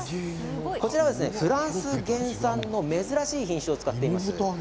こちらは、フランス原産の珍しい品種を使っています。